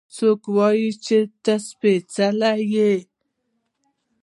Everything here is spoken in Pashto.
څوک وايي چې ته سپېڅلې يې؟